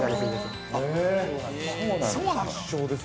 ◆そうなんです。